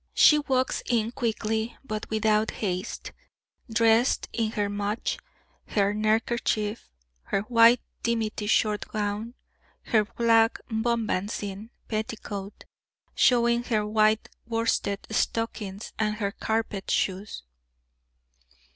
She walks in quickly, but without haste; dressed in her mutch, her neckerchief, her white dimity short gown, her black bombazine petticoat, showing her white worsted stockings and her carpet shoes.